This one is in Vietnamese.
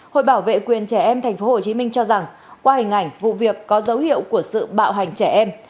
hội bảo vệ quyền trẻ em tp hcm cho rằng qua hình ảnh vụ việc có dấu hiệu của sự bạo hành trẻ em